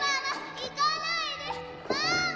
行かないでママ！